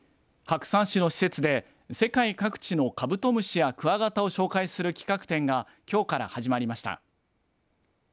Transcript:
白山市の施設で世界各地のカブトムシやクワガタを紹介する企画展がきょうから始まりました。